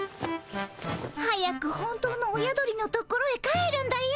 早く本当の親鳥の所へ帰るんだよ。